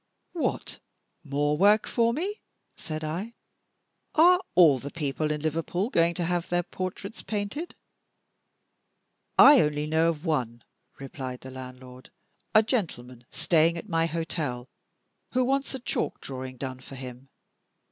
"What, more work for me?" said I; "are all the people in Liverpool going to have their portraits painted?" "I only know of one," replied the landlord, "a gentleman staying at my hotel, who wants a chalk drawing done for him.